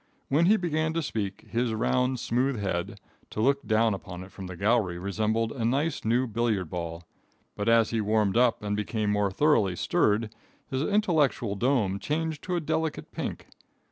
When he began to speak, his round, smooth head, to look down upon it from the gallery, resembled a nice new billiard ball, but as he warmed up and became more thoroughly stirred, his intellectual dome changed to a delicate pink.